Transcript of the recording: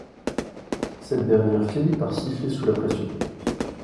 cette dernière finit par siffler sous la pression.